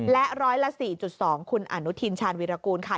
และร้อยละ๔๒คุณอนุทินชาญวิรากูลค่ะ